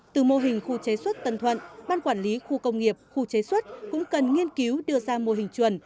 từ mô hình khu chế xuất tân thuận ban quản lý khu công nghiệp khu chế xuất cũng cần nghiên cứu đưa ra mô hình chuẩn